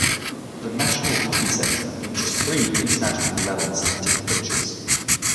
The National Hockey Centre features three international level synthetic pitches.